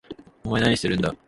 お前何してるんだ？